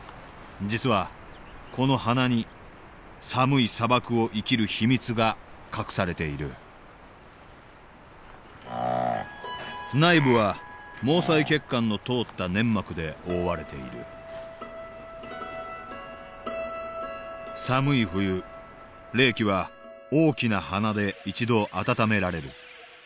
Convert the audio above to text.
実はこの鼻に寒い砂漠を生きる秘密が隠されている内部は毛細血管の通った粘膜で覆われている寒い冬冷気は大きな鼻で一度暖められる。